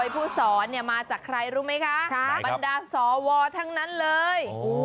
ผู้สอนมาจากใครรู้มั้ยคะปัญดาสวทร์ทั้งนั้นเลย